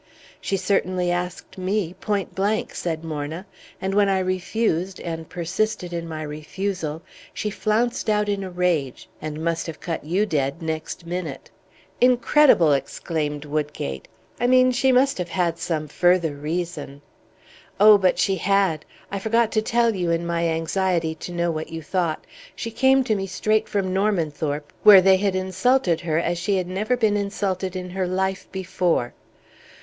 "She certainly asked me, point blank," said Morna. "And when I refused, and persisted in my refusal, she flounced out in a rage, and must have cut you dead next minute." "Incredible!" exclaimed Woodgate. "I mean, she must have had some further reason." "Oh, but she had! I forgot to tell you in my anxiety to know what you thought. She came to me straight from Normanthorpe, where they had insulted her as she had never been insulted in her life before!"